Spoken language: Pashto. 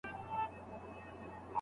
څېړونکی د موضوع نوې زاویه پیدا کوي.